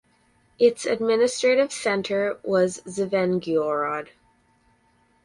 Its administrative centre was Zvenigorod.